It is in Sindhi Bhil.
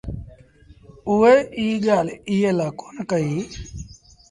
اُئي ايٚ ڳآل ايٚئي لآ ڪون ڪئيٚ